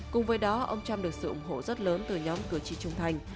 cùng với đó ông trump được sự ủng hộ rất lớn từ nhóm cử tri trung thành